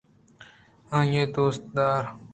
آئی ءِ دوست دار